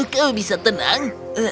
kau bisa tenang